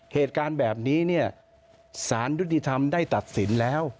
เหตุการณ์แบบนี้เนี่ยสารยุติธรรมได้ตัดสินแล้ว